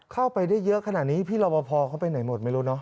เข้าไปได้เยอะขนาดนี้พี่รอบพอเขาไปไหนหมดไม่รู้เนอ